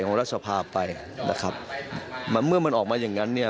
รัฐสภาไปนะครับมันเมื่อมันออกมาอย่างงั้นเนี่ย